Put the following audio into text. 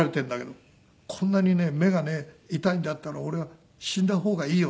「こんなに目がね痛いんだったら俺死んだ方がいいよ」って。